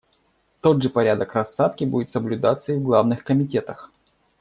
Тот же порядок рассадки будет соблюдаться и в главных комитетах.